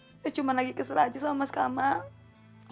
saya cuma lagi keserahan saja sama mas kamal